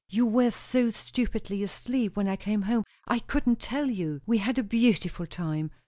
You were so stupidly asleep when I came home, I couldn't tell you. We had a beautiful time!